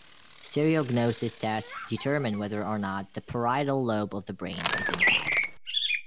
Stereognosis tests determine whether or not the parietal lobe of the brain is intact.